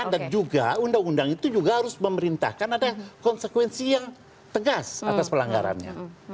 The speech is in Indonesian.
dan juga undang undang itu harus memerintahkan ada konsekuensi yang tegas atas pelanggarannya